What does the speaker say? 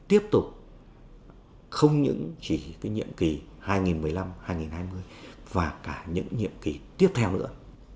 tiếp tục không những chỉ cái nhiệm kỳ hai nghìn một mươi năm hai nghìn hai mươi và cả những nhiệm kỳ tiếp theo nữa